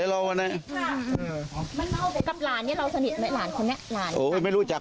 กับหลานเนี้ยเราสนิทไหมของนั้นหลานโอ้ยไม่รู้จัก